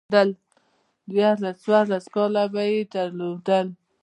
ديارلس، څوارلس کاله به يې درلودل